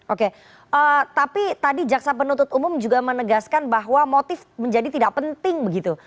oke tapi tadi jaksa penuntut umum juga menegaskan bahwa motif menjadi tidak penting begitu